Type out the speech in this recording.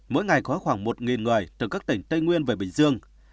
mỗi ngày có khoảng một người từ các tỉnh tây nguyên về bình dương